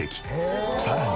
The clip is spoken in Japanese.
さらに。